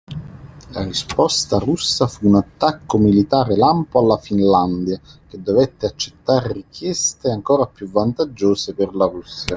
La risposta russa fu un attacco militare lampo alla Finlandia che dovette accettare richieste ancor più vantaggiose per la Russia.